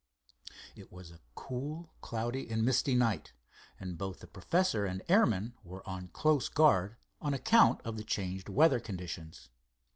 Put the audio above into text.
It was a cool, cloudy and misty night, and both the professor and airman were on close guard on account of the changed weather conditions.